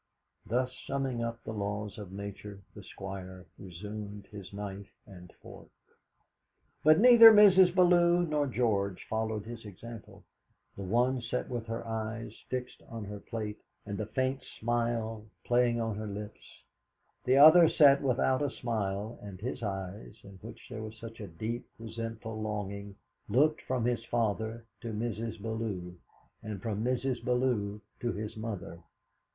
Thus summing up the laws of Nature, the Squire resumed his knife and fork. But neither Mrs. Bellew nor George followed his example; the one sat with her eyes fixed on her plate and a faint smile playing on her lips, the other sat without a smile, and his eyes, in which there was such a deep resentful longing, looked from his father to Mrs. Bellew, and from Mrs. Bellew to his mother.